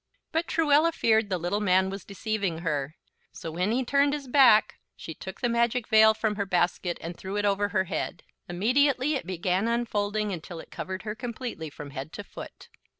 But Truella feared the little man was deceiving her; so when he turned his back she took the magic veil from her basket and threw it over her head. Immediately it began unfolding until it covered her completely, from head to foot.